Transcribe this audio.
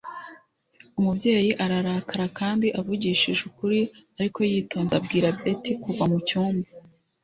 Umubyeyi ararakara kandi avugishije ukuri ariko yitonze abwira Beth kuva mucyumba